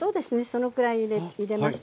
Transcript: そのくらい入れましてね